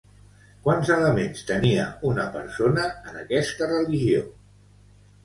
Quants elements tenia una persona en aquesta religió?